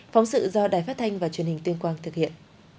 phóng sự do đài phát thanh và truyền hình tuyên quang thực hiện